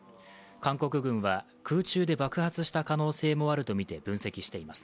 韓国軍は空中で爆発した可能性もあるとみて分析しています。